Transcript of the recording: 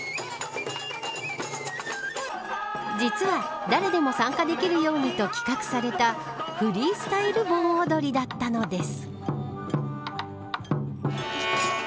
実は、誰でも参加できるようにと企画されたフリースタイル盆踊りだったのです。